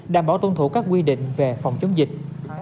đảm bảo tuân thủ các quy định về phòng chống dịch